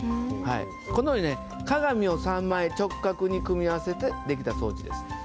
はいこのようにね鏡を３枚直角に組み合わせてできた装置です。